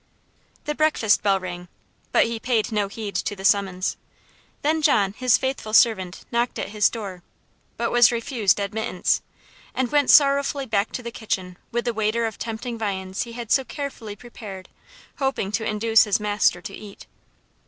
The breakfast bell rang, but he paid no heed to the summons. Then John, his faithful servant, knocked at his door, but was refused admittance, and went sorrowfully back to the kitchen with the waiter of tempting viands he had so carefully prepared, hoping to induce his master to eat.